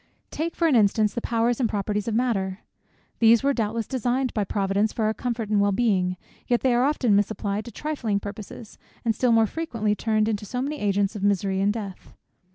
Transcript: Take for an instance the powers and properties of matter. These were doubtless designed by Providence for our comfort and well being; yet they are often misapplied to trifling purposes, and still more frequently turned into so many agents of misery and death.